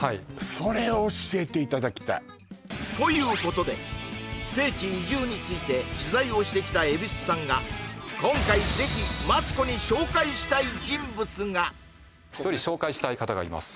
それを教えていただきたいということで聖地移住について取材をしてきた夷さんがぜひ１人紹介したい方がいます